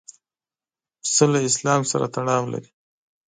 پسه له اسلام سره تړاو لري.